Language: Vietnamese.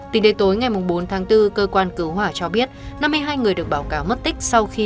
tỉnh đề tối ngày bốn tháng bốn cơ quan cứu hỏa cho biết năm mươi hai người được báo cáo mất tích